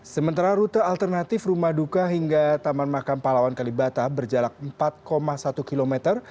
sementara rute alternatif rumah duka hingga taman makam palawan kalibata berjalak empat satu km dengan waktu tempuh enam belas menit